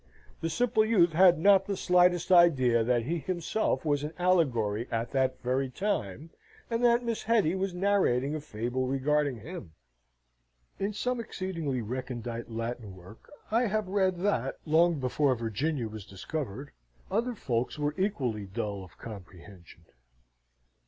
The simple youth had not the slightest idea that he himself was an allegory at that very time, and that Miss Hetty was narrating a fable regarding him. In some exceedingly recondite Latin work I have read that, long before Virginia was discovered, other folks were equally dull of comprehension.